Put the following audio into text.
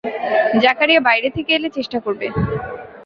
জাকারিয়া বাইরে থেকে এলে চেষ্টা করবে।